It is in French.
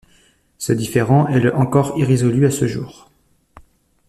Ce différend est le encore irrésolu à ce jour.